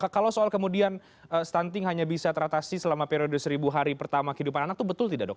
kalau soal kemudian stunting hanya bisa teratasi selama periode seribu hari pertama kehidupan anak itu betul tidak dok